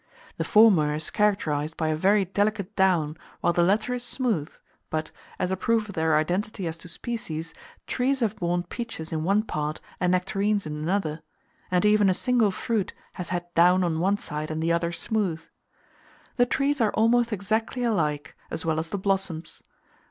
The former is characterized by a very delicate down, while the latter is smooth; but, as a proof of their identity as to species, trees have borne peaches in one part and nectarines in another; and even a single fruit has had down on one side and the other smooth. The trees are almost exactly alike, as well as the blossoms.